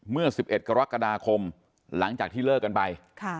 เมื่อ๑๑กรกฎาคมหลังจากที่เลิกกันไป